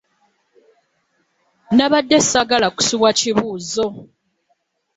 Nabadde sagala kusubwa bibuuzo .